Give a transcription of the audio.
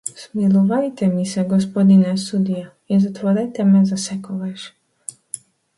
Смилувајте ми се, господине судија, и затворете ме засекогаш!